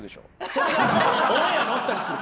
それがオンエアに乗ったりする。